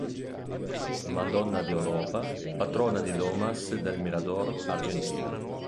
Madonna di Oropa, patrona di Lomas del Mirador, Argentina.